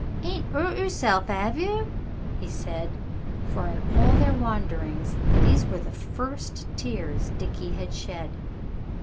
"Ain't 'urt yerself, 'ave yer?" he said for in all their wanderings these were the first tears Dickie had shed.